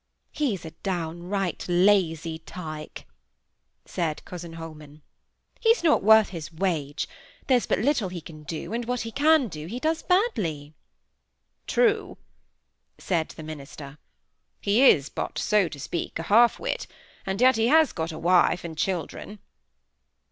"He's a downright lazy tyke!" said cousin Holman. "He's not worth his wage. There's but little he can do, and what he can do, he does badly." "True," said the minister. "He is but, so to speak, a half wit; and yet he has got a wife and children."